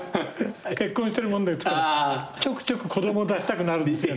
結婚してるもんですからちょくちょく子供出したくなるんですよね。